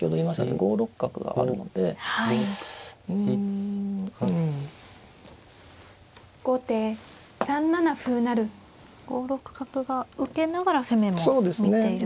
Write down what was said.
５六角が受けながら攻めも見ている。